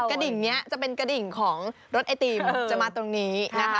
ดิ่งนี้จะเป็นกระดิ่งของรถไอติมจะมาตรงนี้นะคะ